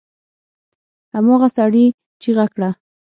هماغه سړي چيغه کړه!